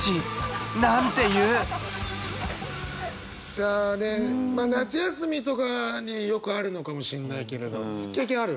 さあまあ夏休みとかによくあるのかもしれないけれど経験ある？